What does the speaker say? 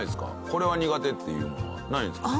これは苦手っていうものはないんですか？